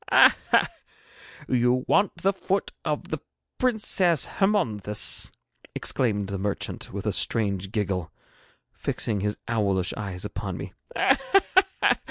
'Ha, ha, you want the foot of the Princess Hermonthis!' exclaimed the merchant, with a strange giggle, fixing his owlish eyes upon me.